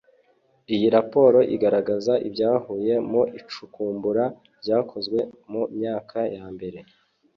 Iyi raporo igaragaza ibyavuye mu icukumbura ryakozwe mu myaka yambere